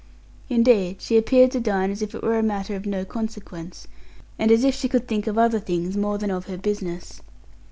Indeed, she appeared to dine as if it were a matter of no consequence, and as if she could think of other things more than of her business.